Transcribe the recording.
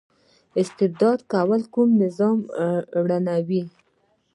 استبداد کول نظام ړنګوي